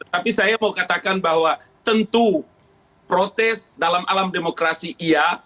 tapi saya mau katakan bahwa tentu protes dalam alam demokrasi iya